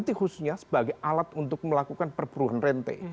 khususnya sebagai alat untuk melakukan perburuan rente